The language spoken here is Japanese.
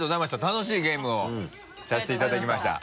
楽しいゲームをさせていただきました。